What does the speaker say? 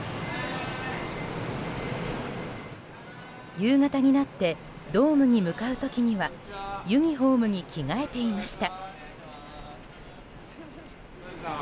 夕方になってドームに向かう時にはユニホームに着替えていました。